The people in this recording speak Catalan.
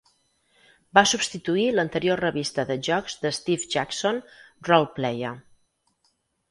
Va substituir l'anterior revista de jocs de Steve Jackson, "Roleplayer".